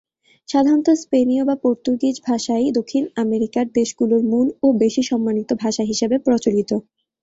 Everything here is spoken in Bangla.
সাধারণত স্পেনীয় বা পর্তুগিজ ভাষাই দক্ষিণ আমেরিকার দেশগুলির মূল ও বেশি সম্মানিত ভাষা হিসেবে প্রচলিত।